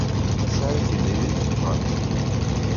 Tesɛiḍ timlilit d tɣamsa.